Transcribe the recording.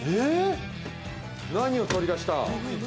何を取り出した？